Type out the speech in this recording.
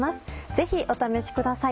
ぜひお試しください。